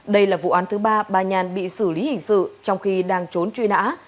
đây là vụ án thứ ba bà nhàn bị xử lý hình sự trong khi đang trốn truy nã